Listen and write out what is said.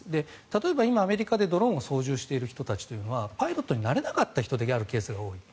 例えば今、アメリカでドローンを操縦している人たちというのはパイロットになれなかった人であるケースが多い。